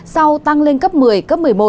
sau tăng lên cấp một mươi cấp một mươi một